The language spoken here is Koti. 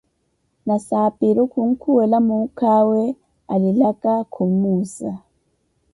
Nasapiru khukhuwela muukha awe alilaka, khumuuza.